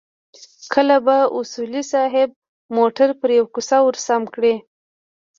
کله به اصولي صیب موټر پر يوه کوڅه ورسم کړ.